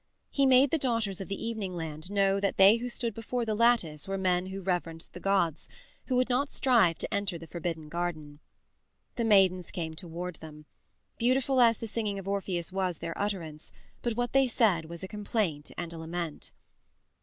He made the Daughters of the Evening Land know that they who stood before the lattice were men who reverenced the gods, who would not strive to enter the forbidden garden. The maidens came toward them. Beautiful as the singing of Orpheus was their utterance, but what they said was a complaint and a lament.